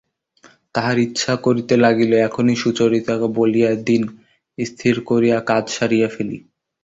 তাঁহার ইচ্ছা করিতে লাগিল এখনই সুচরিতাকে বলিয়া দিন স্থির করিয়া কাজ সারিয়া ফেলি।